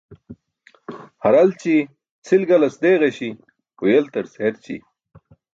Haralci c̣ʰil galas deeġaśi̇ huyeltarc herći̇.